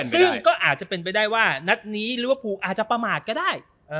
ซึ่งก็อาจจะเป็นไปได้ว่านัดนี้ลิเวอร์พูลอาจจะประมาทก็ได้